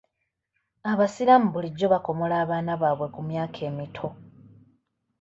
Abasiraamu bulijjo bakomola abaana baabwe ku myaka emito.